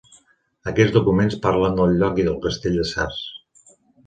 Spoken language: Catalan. Aquests documents parlen del lloc i del castell de Sas.